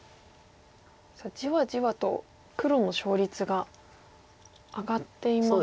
さあじわじわと黒の勝率が上がっていますね。